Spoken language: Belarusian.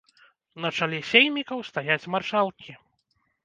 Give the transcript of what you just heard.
На чале сеймікаў стаяць маршалкі.